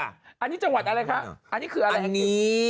อันนี้จังหวัดอะไรคะอันนี้คืออะไรอันนี้